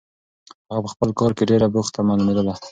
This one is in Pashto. هغه په خپل کار کې ډېره بوخته معلومېدله.